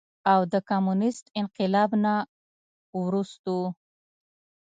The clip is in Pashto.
او د کميونسټ انقلاب نه وروستو